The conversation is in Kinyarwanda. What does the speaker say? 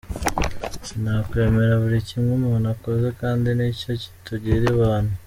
Sinakwemera buri kimwe umuntu akoze kandi nicyo kitugira abantu.